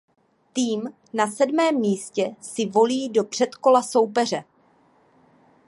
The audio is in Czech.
Tým na sedmém místě si volí do předkola soupeře.